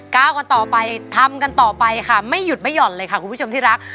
ก้าวกันต่อไปทำกันต่อไปค่ะไม่หยุดไม่ห่อนเลยค่ะคุณผู้ชมที่รัก